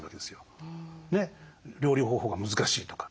料理方法が難しいとか。